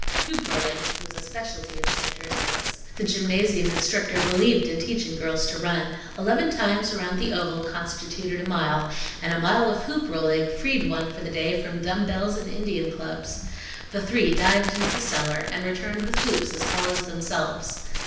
Hoop rolling was a speciality of St. Ursula's. The gymnasium instructor believed in teaching girls to run. Eleven times around the oval constituted a mile, and a mile of hoop rolling freed one for the day from dumb bells and Indian clubs. The three dived into the cellar, and returned with hoops as tall as themselves.